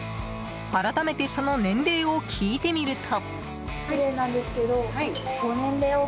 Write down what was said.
改めてその年齢を聞いてみると。